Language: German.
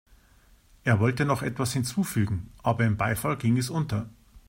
Er wollte noch etwas hinzufügen, aber im Beifall ging es unter.